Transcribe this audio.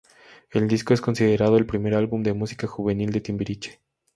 El disco es considerado el primer álbum de música juvenil de Timbiriche.